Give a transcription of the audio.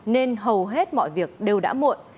nên hầu hết mọi việc đều đã muộn